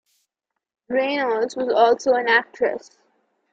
Reynolds was also an actress.